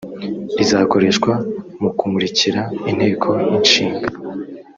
izakoreshwa mu kumurikira inteko ishinga